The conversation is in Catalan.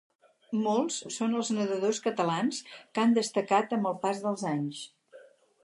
Molts són els nedadors catalans que han destacat amb el pas dels anys.